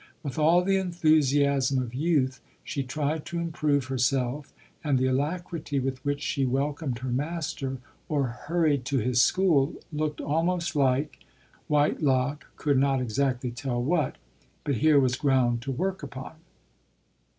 With all the enthusiasm of youth, she tried to improve herself, and the alacrity with which she welcomed her master, or hurried to his school, looked almost like — Whitelock could not exactly tell what, but here was ground to work upon.